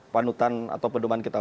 panutan atau pendudukan kita